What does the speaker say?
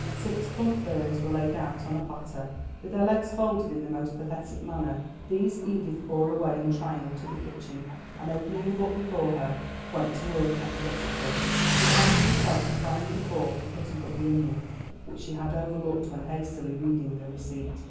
Six plump birds were laid out on a platter, with their legs folded in the most pathetic manner; these Edith bore away in triumph to the kitchen, and opening the book before her went to work energetically, resigning herself to frying the pork and cutting up the onion, which she had overlooked when hastily reading the receipt.